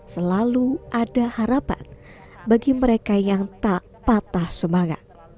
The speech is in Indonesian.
selalu ada harapan bagi mereka yang tak patah semangat